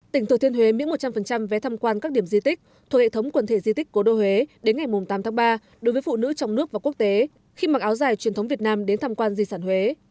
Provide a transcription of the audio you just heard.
tỉnh thừa thiên huế miễn một trăm linh vé tham quan các điểm di tích thuộc hệ thống quần thể di tích cố đô huế đến ngày tám tháng ba đối với phụ nữ trong nước và quốc tế khi mặc áo dài truyền thống việt nam đến tham quan di sản huế